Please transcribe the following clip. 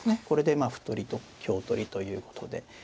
これでまあ歩取りと香取りということで。